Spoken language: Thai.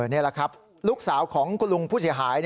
นี่แหละครับลูกสาวของคุณลุงผู้เสียหาย